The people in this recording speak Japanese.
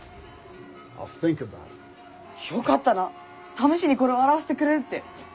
試しにこれを洗わせてくれるって。